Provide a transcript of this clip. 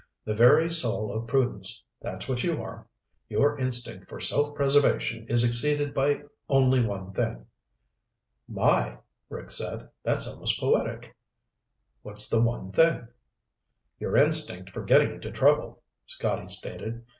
The very soul of prudence, that's what you are. Your instinct for self preservation is exceeded by only one thing." "My," Rick said. "That's almost poetic. What's the one thing?" "Your instinct for getting into trouble," Scotty stated.